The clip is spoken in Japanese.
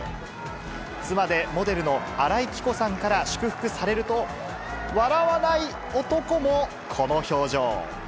妻でモデルの新井貴子さんから祝福されると、笑わない男もこの表情。